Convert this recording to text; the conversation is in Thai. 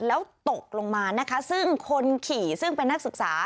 แล้วตกลงมานะคะซึ่งคนขี่ซึ่งเป็นนักศึกษา